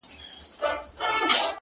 • وڅڅوي اوښکي اور تر تلي کړي ,